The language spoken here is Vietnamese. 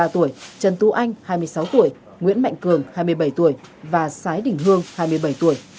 ba mươi tuổi trần tu anh hai mươi sáu tuổi nguyễn mạnh cường hai mươi bảy tuổi và sái đỉnh hương hai mươi bảy tuổi